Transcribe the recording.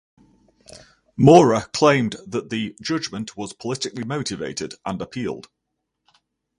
Maurer claimed that the judgement was "politically motivated" and appealed.